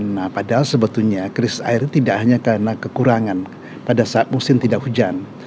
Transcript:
nah padahal sebetulnya krisis air itu tidak hanya karena kekurangan pada saat musim tidak hujan